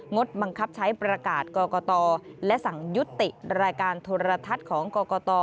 ดบังคับใช้ประกาศกรกตและสั่งยุติรายการโทรทัศน์ของกรกต